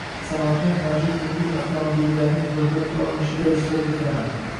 Samarqand mavjud yengil avtomobillarning roʻyxatga olinishida ishtirok etganman.